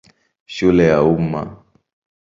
Shule ya Umma.